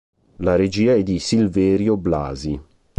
La regia è di Silverio Blasi.